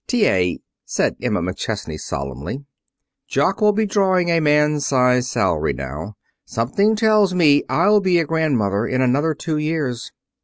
"T.A.," said Emma McChesney solemnly, "Jock will be drawing a man size salary now. Something tells me I'll be a grandmother in another two years.